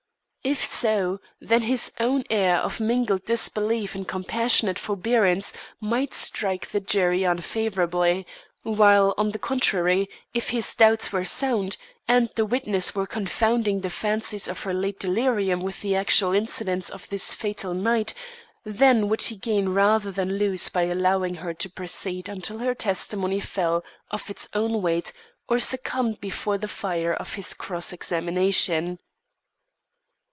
If so, then his own air of mingled disbelief and compassionate forbearance might strike the jury unfavourably; while, on the contrary, if his doubts were sound, and the witness were confounding the fancies of her late delirium with the actual incidents of this fatal night, then would he gain rather than lose by allowing her to proceed until her testimony fell of its own weight, or succumbed before the fire of his cross examination.